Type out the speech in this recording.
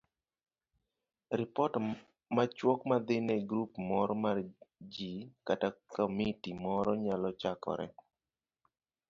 Ripot machuok madhi ne grup moro mar ji kata komiti moro nyalo chakore